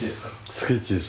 スケッチです